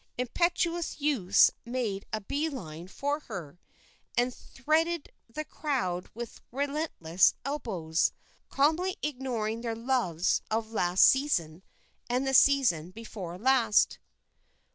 Impetuous youths made a bee line for her, and threaded the crowd with relentless elbows, calmly ignoring their loves of last season and the season before last.